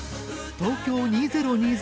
東京２０２０